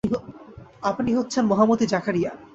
আপনি হচ্ছেন মহামতি জাকারিয়া।